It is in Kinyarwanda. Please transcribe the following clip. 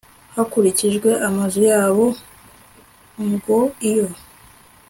hakurikijwe amazu yabo ng Iyo